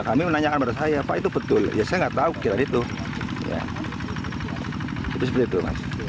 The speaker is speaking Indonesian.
kami menanyakan pada saya pak itu betul ya saya enggak tahu kita itu ya itu seperti itu masih